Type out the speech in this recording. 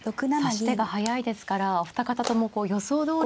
指し手が速いですからお二方とも予想どおりの。